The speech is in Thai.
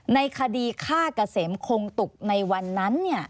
ในคดีฆ่าเกษมคงตุกในวันนั้น